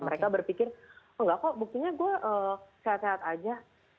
mereka berpikir oh nggak kok buktinya saya sehat sehat saja